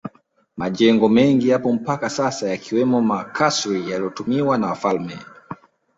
Majengo mengi yapo mpaka sasa yakiwemo makasri yaliyotumiwa na wafalme